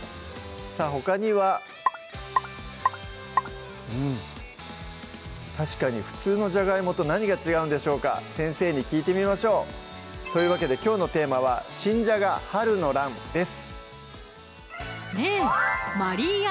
さぁほかにはうん確かに普通のじゃがいもと何が違うんでしょうか先生に聞いてみましょうというわけできょうのテーマは「新じゃが春の乱」です